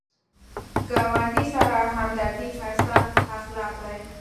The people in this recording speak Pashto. ګاونډي سره همدردي ښایسته اخلاق دي